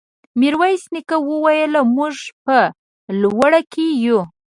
ميرويس نيکه وويل: موږ په لوړه کې يو.